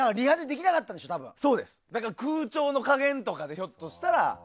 空調の加減とかでひょっとしたら。